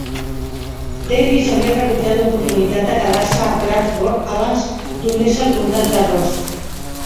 Davies havia rebutjat l'oportunitat de quedar-se a Bradford abans d'unir-se al comtat de Ross.